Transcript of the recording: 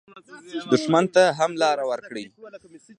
دښمن ته هم لار ورکړئ